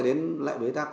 đến lại bế tắc